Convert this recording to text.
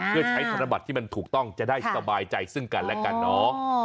เพื่อใช้ธนบัตรที่มันถูกต้องจะได้สบายใจซึ่งกันและกันเนาะ